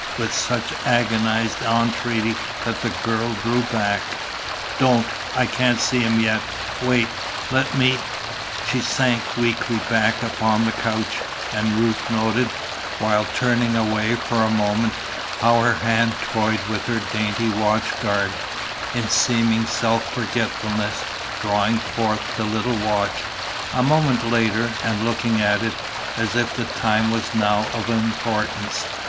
with such agonised entreaty that the girl drew back. "Don't! I can't see him yet Wait! Let me " She sank weakly back upon the couch, and Ruth noted, while turning away for a moment, how her hand toyed with her dainty watchguard, in seeming self forgetfulness, drawing forth the little watch, a moment later, and looking at it, as if the time was now of importance.